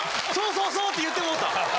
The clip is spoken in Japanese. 「そうそう」って言ってもうた。